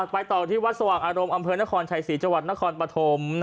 ไปต่อที่วัดสว่างอารมณ์อำเภอนครชัยศรีจังหวัดนครปฐม